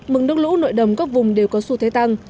mực nước lũ nội đồng các vùng đều có xu thế tăng